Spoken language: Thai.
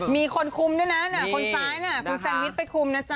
มีคนคุมด้วยนะคนซ้ายน่ะคุณแซนวิชไปคุมนะจ๊